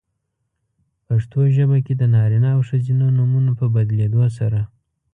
پښتو ژبه کې د نارینه او ښځینه نومونو په بدلېدو سره؛